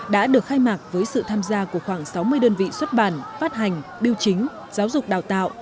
đã được khai mạc với sự tham gia của khoảng sáu mươi đơn vị xuất bản phát hành biểu chính giáo dục đào tạo